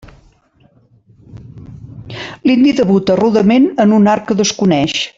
L'indi debuta rudement en un art que desconeix.